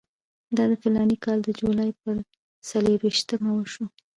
دا د فلاني کال د جولای پر څلېرویشتمه وشو.